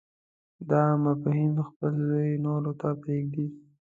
دا مفاهیم خپل ځای نورو ته پرېږدي.